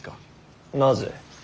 なぜ。